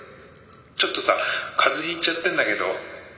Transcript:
ちょっとさ風邪ひいちゃってんだけど。